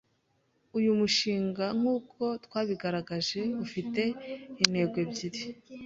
uyu mushinga, nk’uko twabigaragaje ufite intego ebyiri